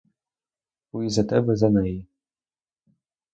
Боюсь за тебе, за неї.